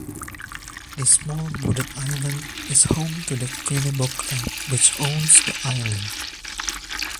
This small wooded Island is home to the Quinnebog Club, which owns the island.